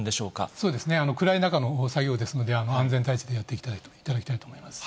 そうですね、暗い中の作業ですので、安全対策、やっていただきたいと思います。